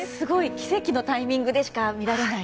奇跡のタイミングでしか見られない。